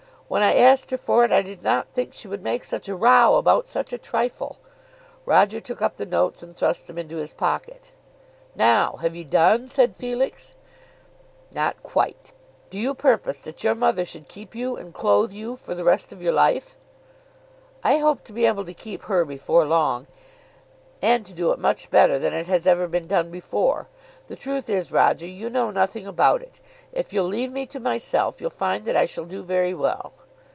"When I asked her for it, I did not think she would make such a row about such a trifle." Roger took up the notes and thrust them into his pocket. "Now, have you done?" said Felix. [Illustration: "There's the £20."] "Not quite. Do you purpose that your mother should keep you and clothe you for the rest of your life?" "I hope to be able to keep her before long, and to do it much better than it has ever been done before. The truth is, Roger, you know nothing about it. If you'll leave me to myself, you'll find that I shall do very well."